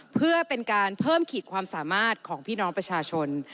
เพื่อเป็นการเพิ่มขีดความสามารถของพี่น้องประชาชน